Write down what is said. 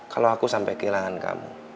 kalo aku sampe kehilangan kamu